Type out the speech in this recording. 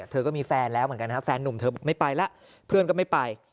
เธอก็มีแฟนแล้วเหมือนกันนะครับแฟนนุ่มเธอไม่ไปแล้วเพื่อนก็ไม่ไป